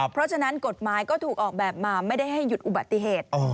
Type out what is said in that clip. เพราะฉะนั้นกฎหมายก็ถูกออกแบบมาไม่ได้ให้หยุดอุบัติเหตุ